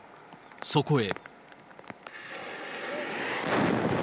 そこへ。